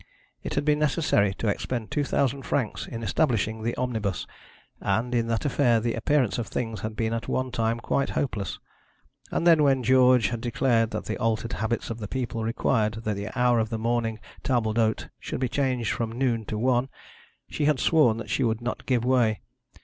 It had been necessary to expend two thousand francs in establishing the omnibus, and in that affair the appearance of things had been at one time quite hopeless. And then when George had declared that the altered habits of the people required that the hour of the morning table d'hote should be changed from noon to one, she had sworn that she would not give way.